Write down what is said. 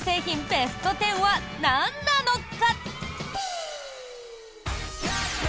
ベスト１０はなんなのか？